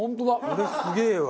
これすげえわ。